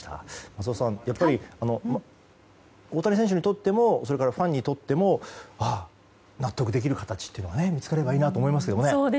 松尾さん、やっぱり大谷選手にとってもファンにとっても納得できる形が見つかればいいなと思いますけど。